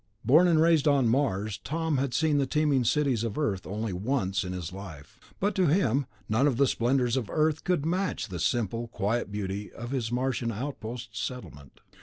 Born and raised on Mars, Tom had seen the teeming cities of Earth only once in his life ... but to him none of the splendors of the Earth cities could match the simple, quiet beauty of this Martian outpost settlement.